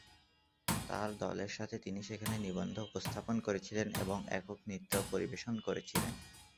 তাঁর দলের সাথে তিনি সেখানে নিবন্ধ উপস্থাপন করেছিলেন এবং একক নৃত্য পরিবেশন করেছিলেন।